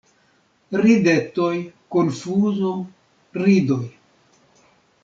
Ridetoj, konfuzo, ridoj.